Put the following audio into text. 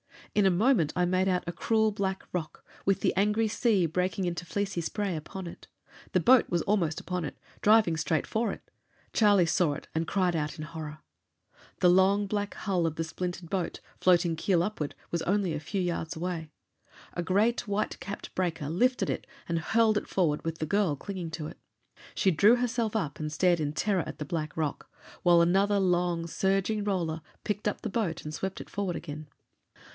In a moment I made out a cruel black rock, with the angry sea breaking into fleecy spray upon it. The boat was almost upon it, driving straight for it. Charlie saw it, and cried out in horror. The long black hull of the splintered boat, floating keel upward, was only a few yards away. A great white capped breaker lifted it and hurled it forward, with the girl clinging to it. She drew herself up and stared in terror at the black rock, while another long surging roller picked up the boat and swept it forward again.